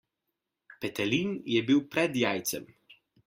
Petelin je bil pred jajcem.